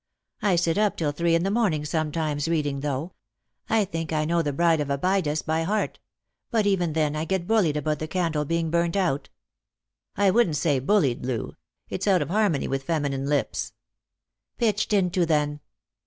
I sit up till three in the morning sometimes reading, though. I think I know the Bride of Abydos by heart. But even then I get bullied about the candle being burnt out." " I wouldn't say bullied, Loo. It's out of harmony with feminine lips." "Pitched into, then."